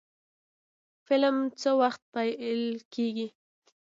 فلم څه وخت پیل کیږي؟